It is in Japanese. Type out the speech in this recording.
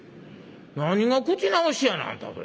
何が口直しやなあんたそれ。